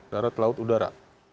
darat laut udara